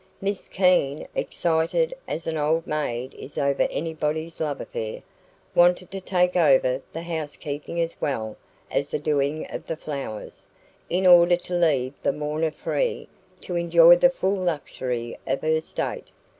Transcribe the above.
Miss Keene excited as an old maid is over anybody's love affair, wanted to take over the house keeping as well as the doing of the flowers, in order to leave the mourner free to enjoy the full luxury of her state.